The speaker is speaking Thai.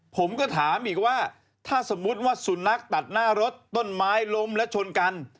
ผมก็ถามอีกว่าถ้าสมมุติว่าสุนัขตัดหน้ารถต้นไม้ล้มและชนกัน